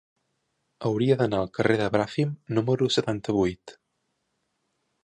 Hauria d'anar al carrer de Bràfim número setanta-vuit.